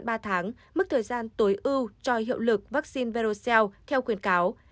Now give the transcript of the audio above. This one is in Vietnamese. trong ba tháng mức thời gian tối ưu cho hiệu lực vaccine verocell theo khuyến cáo